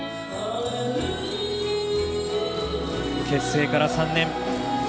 結成から３年。